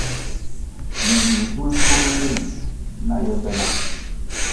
Mindi nzul purűer ri tsina ye be na.